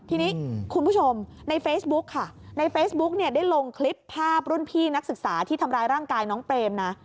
ทีนี้คุณผู้ชมในเฟซบุ๊กค่ะในเฟซบุ๊กเนี่ยได้ลงคลิปภาพรุ่นพี่นักศึกษาที่ทำร้ายร่างกายน้องเปรมนะ